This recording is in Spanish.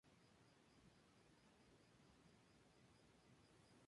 Con el mismo honraba al Dr.